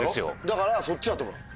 だからそっちだと思う。